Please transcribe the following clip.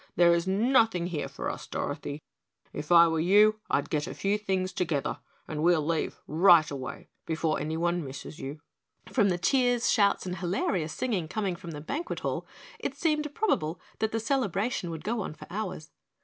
"There is nothing here for us, Dorothy. If I were you, I'd get a few things together and we'll leave right away before anyone misses you." From the cheers, shouts, and hilarious singing coming from the banquet hall it seemed probable that the celebration would go on for hours.